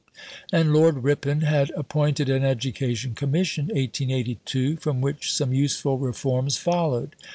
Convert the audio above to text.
And Lord Ripon had appointed an Education Commission (1882), from which some useful reforms followed.